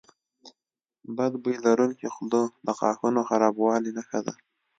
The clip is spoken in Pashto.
بد بوی لرونکي خوله د غاښونو خرابوالي نښه ده.